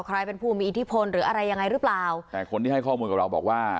ใครเป็นผู้มีอิทธิพลหรืออะไรยังไงหรือเปล่าแต่คนที่ให้ข้อมูลกับเราบอกว่า